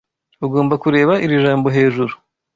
Ugomba kureba iri jambo hejuru.